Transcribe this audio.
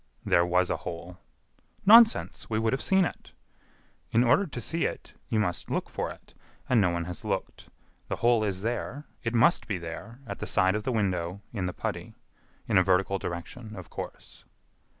"There was a hole." "Nonsense, we would have seen it." "In order to see it, you must look for it, and no one has looked. The hole is there; it must be there, at the side of the window, in the putty. In a vertical direction, of course."